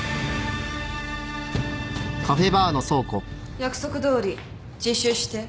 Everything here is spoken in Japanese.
約束どおり自首して。